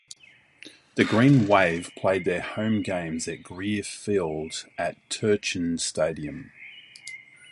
The Green Wave played their home games at Greer Field at Turchin Stadium.